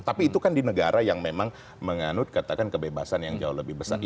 tapi itu kan di negara yang memang menganut katakan kebebasan yang jauh lebih besar